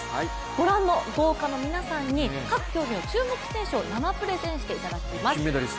ご覧の豪華な皆さんに各競技の注目選手を生プレゼンしていただきます。